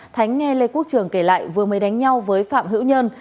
thánh nghe lê quốc trường kể lại vừa mới đánh nhau với phạm hữu nhân